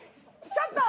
ちょっと！